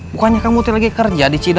bukannya kamu lagi kerja di sini